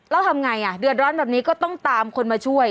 แล้วทำไงอ่ะเดือดร้อนแบบนี้ก็ต้องตามคนมาช่วย